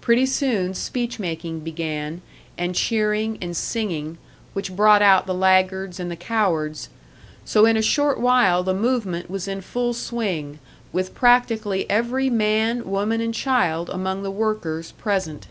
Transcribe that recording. Pretty soon speech making began, and cheering and singing, which brought out the laggards and the cowards. So in a short while the movement was in full swing, with practically every man, woman and child among the workers present.